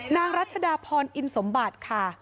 นางรัชดาพรอินสมบัติค่ะ